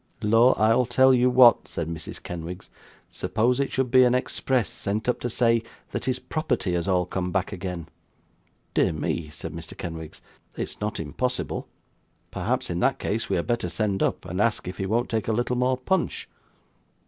'Lor, I'll tell you what,' said Mrs. Kenwigs. 'Suppose it should be an express sent up to say that his property has all come back again!' 'Dear me,' said Mr. Kenwigs; 'it's not impossible. Perhaps, in that case, we'd better send up and ask if he won't take a little more punch.